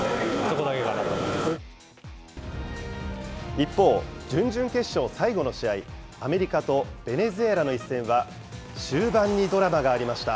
一方、準々決勝最後の試合、アメリカとベネズエラの一戦は、終盤にドラマがありました。